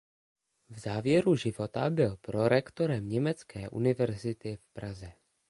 V závěru života byl prorektorem Německé univerzity v Praze.